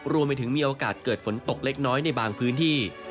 รวมไปถึงมีโอกาสเกิดฝนตกเล็กน้อยในบางพื้นที่